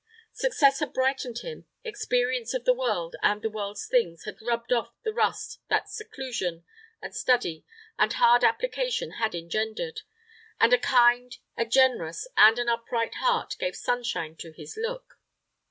Success had brightened him; experience of the world and the world's things had rubbed off the rust that seclusion, and study, and hard application had engendered; and a kind, a generous, and an upright heart gave sunshine to his look.